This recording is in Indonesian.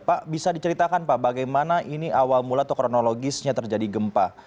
pak bisa diceritakan pak bagaimana ini awal mula atau kronologisnya terjadi gempa